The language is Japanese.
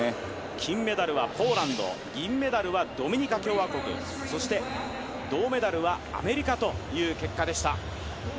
金メダルはポーランド、銀メダルはドミニカ共和国、銅メダルはアメリカという結果でした。